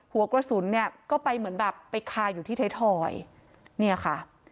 หัวกระสุนเนี่ยก็ไปเหมือนแบบไปคาอยู่ที่ไทยทอยเนี่ยค่ะ